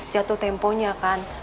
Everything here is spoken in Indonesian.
jatuh temponya kan